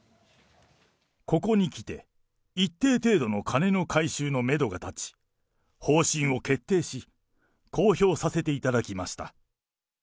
ここにきて、一定程度の金の回収のメドが立ち、方針を決定し、公表させていただきました。